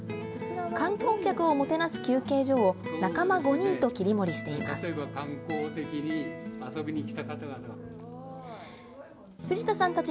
観光客をもてなす休憩所を仲間５人と切り盛りしています。